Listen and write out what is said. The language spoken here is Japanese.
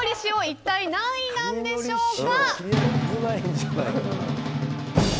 一体何位なんでしょうか。